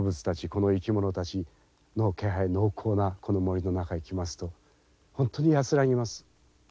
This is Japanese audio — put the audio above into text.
この生き物たちの気配濃厚なこの森の中へ来ますと本当に安らぎます。